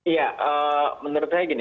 ya menurut saya gini